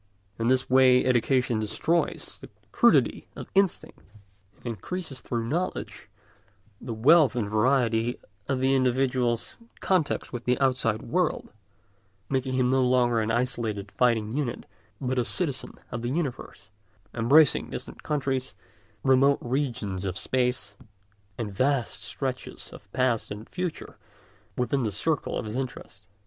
In this way education destroys the crudity of instinct, and increases through knowledge the wealth and variety of the individual's contacts with the outside world, making him no longer an isolated fighting unit, but a citizen of the universe, embracing distant countries, remote regions of space, and vast stretches of past and future within the circle of his interests.